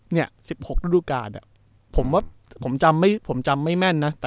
เนี่ย๑๖ธุรกาลผมจำไม่แม่นนะ